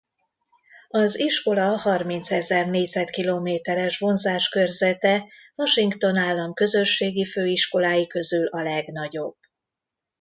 Az iskola harmincezer négyzetkilométeres vonzáskörzete Washington állam közösségi főiskolái közül a legnagyobb.